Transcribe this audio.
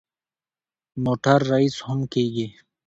موټر ریس هم کېږي.